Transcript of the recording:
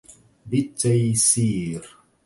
بالتيسير!